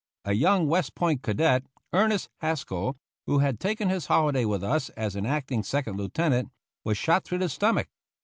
A young West Point cadet, Ernest Haskell, who had taken his holiday with us as an acting second lieutenant, was shot through the stomach.